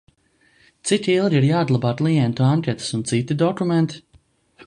Cik ilgi ir jāglabā klientu anketas un citi dokumenti?